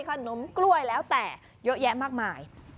ขนมกล้วยแล้วแต่เยอะแยะมากมาย